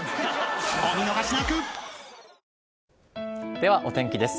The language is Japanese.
ではお天気です。